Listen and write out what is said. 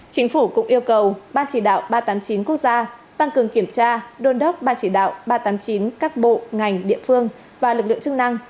chính phủ cũng yêu cầu ban chỉ đạo ba trăm tám mươi chín quốc gia tăng cường kiểm tra đôn đốc ban chỉ đạo ba trăm tám mươi chín các bộ ngành địa phương và lực lượng chức năng